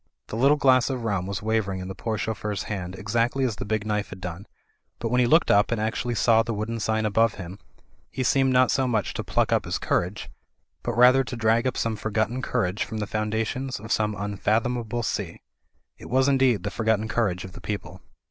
The little glass of rum was wavering in the poor chauffeur's hand exactly as the big knife had done, but when he looked up and actually saw the wooden sign above him, he seemed not so much to pluck up his courage, but rather to drag up some forgotten courage from the foundations of some imfathomable sea. It was indeed the forgotten courage of the people.